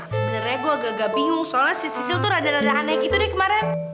sebenarnya gue agak agak bingung soalnya si sisil tuh rada rada aneh gitu deh kemarin